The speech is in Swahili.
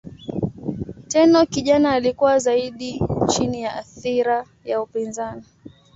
Tenno kijana alikuwa zaidi chini ya athira ya upinzani.